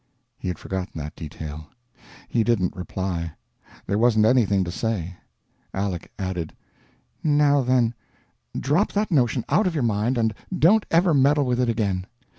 He had forgotten that detail. He didn't reply; there wasn't anything to say. Aleck added: "Now then, drop that notion out of your mind, and don't ever meddle with it again.